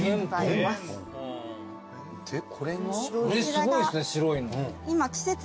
すごいっすね白いの。